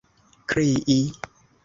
krii